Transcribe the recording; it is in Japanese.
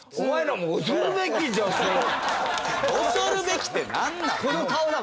恐るべきってなんなん？